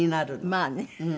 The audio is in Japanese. まあね。